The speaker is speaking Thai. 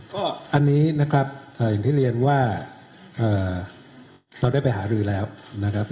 ก็อันนี้นะครับอย่างที่เรียนว่าเราได้ไปหารือแล้วนะครับ